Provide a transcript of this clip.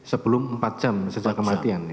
sebelum empat jam sejak kematian